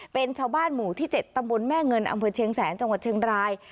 เป็นชาวบ้านหมู่ที่๗ตำบลแม่เงินอำเภอเชียงแสนจังหวัดเชียงราย